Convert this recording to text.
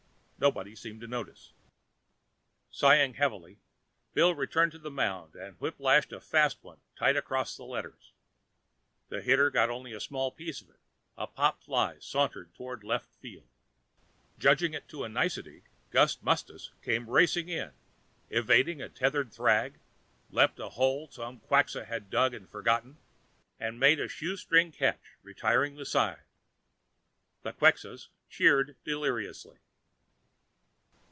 Nobody seemed to notice. Sighing heavily, Bill returned to the mound and whiplashed in a fast one, tight across the letters. The hitter got only a small piece of it; a pop fly sauntered toward left field. Judging it to a nicety, Gust Mustas came racing in, evaded a tethered thrag, leaped a hole some Quxa had dug and forgotten, and made a shoestring catch, retiring the side. The Quxas cheered deliriously.